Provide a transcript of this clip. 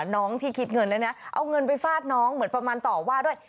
น้องที่คิดเงินแล้วนะเอาเงินไปฟาดน้องเหมือนประมาณต่อว่าด้วย